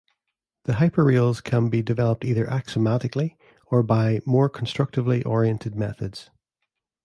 The hyperreals can be developed either axiomatically or by more constructively oriented methods.